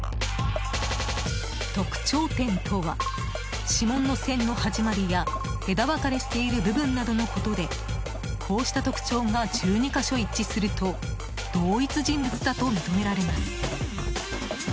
特徴点とは、指紋の線の始まりや枝分かれしている部分などのことでこうした特徴が１２か所一致すると同一人物だと認められます。